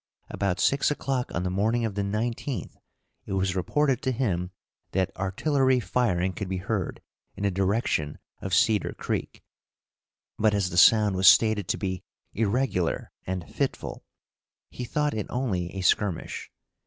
About six o'clock, on the morning of the 19th, it was reported to him that artillery firing could be heard in the direction of Cedar Creek, but as the sound was stated to be irregular and fitful, he thought it only a skirmish.